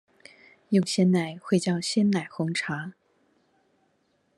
用鮮奶會叫鮮奶紅茶